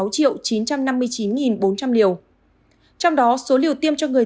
trong đó số liều tiêm cho người